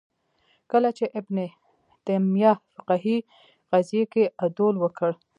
کله چې ابن تیمیه فقهې قضیې کې عدول وکړ